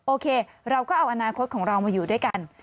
โอเคเราก็เอาอนาคตของเรามาอยู่ด้วยกัน